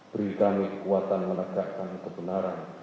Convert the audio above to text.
beri kami kekuatan menegakkan kebenaran